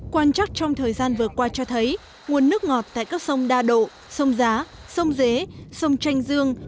quan chắc trong thời gian vừa qua cho thấy nguồn nước ngọt tại các sông đa độ sông giá sông dế sông chanh dương